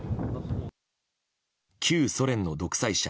旧ソ連の独裁者